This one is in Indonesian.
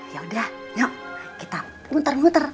yaudah yuk kita muter muter oke